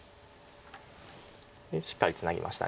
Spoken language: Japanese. しっかりツナぎました。